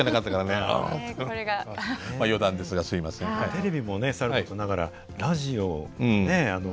テレビもさることながらラジオね